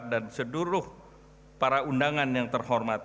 dan seluruh para undangan yang terhormat